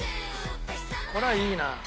これはいいな。